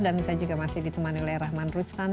dan saya juga masih ditemani oleh rahman rustan